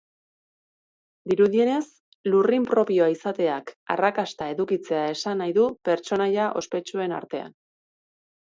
Dirudienez, lurrin propioa izateak arrakasta edukitzea esan nahi du pertsonaia ospetsuen artean.